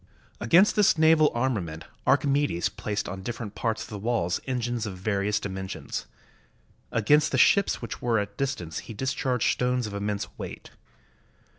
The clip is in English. Against this naval armament Archimedes placed on different parts of the walls engines of various dimen sions. Against the ships which were at a distance he discharged stones of immense weight.